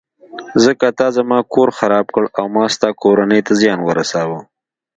ځکه تا زما کور خراب کړ او ما ستا کورنۍ ته زیان ورساوه.